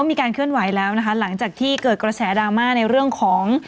มีการเคลื่อนไหวแล้วนะคะหลังจากที่เกิดกระแสดราม่าในเรื่องของ